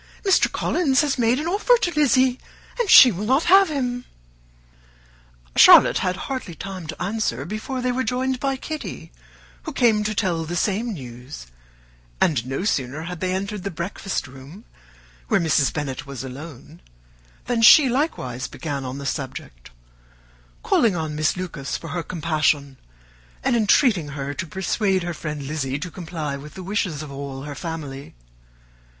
Mr. Collins has made an offer to Lizzy, and she will not have him." [Illustration: "they entered the breakfast room" ] Charlotte had hardly time to answer before they were joined by Kitty, who came to tell the same news; and no sooner had they entered the breakfast room, where Mrs. Bennet was alone, than she likewise began on the subject, calling on Miss Lucas for her compassion, and entreating her to persuade her friend Lizzy to comply with the wishes of her family.